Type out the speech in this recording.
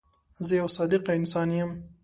زه یو صادقه انسان یم.